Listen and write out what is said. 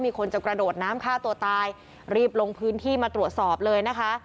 มีคนจะกระโดดน้ำฆ่าตัวตายรีบลงพื้นที่มาตรวจสอบเลยนะคะ